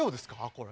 これ。